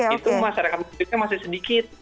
itu masyarakat muslimnya masih sedikit